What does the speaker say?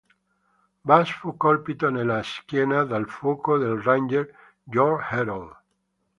Bass fu colpito nella schiena dal fuoco del ranger George Herold.